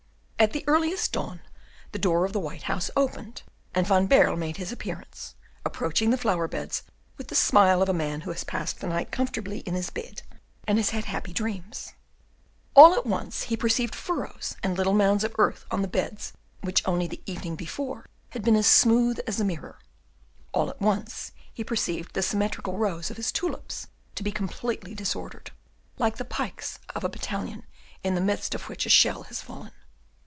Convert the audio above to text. At the earliest dawn the door of the white house opened, and Van Baerle made his appearance, approaching the flower beds with the smile of a man who has passed the night comfortably in his bed, and has had happy dreams. All at once he perceived furrows and little mounds of earth on the beds which only the evening before had been as smooth as a mirror, all at once he perceived the symmetrical rows of his tulips to be completely disordered, like the pikes of a battalion in the midst of which a shell has fallen.